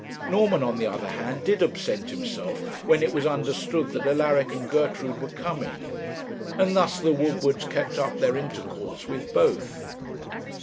Norman, on the other hand, did absent himself when it was understood that Alaric and Gertrude were coming; and thus the Woodwards kept up their intercourse with both.